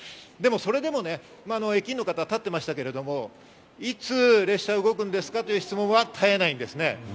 それでも駅員の方が立っていましたけれども、いつ列車が動くんですか？という質問は絶えないんです。